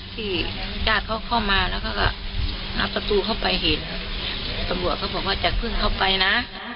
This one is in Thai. ที่ญาติเขาเข้ามาแล้วเขาก็งัดประตูเข้าไปเห็นตำรวจเขาบอกว่าอย่าเพิ่งเข้าไปนะ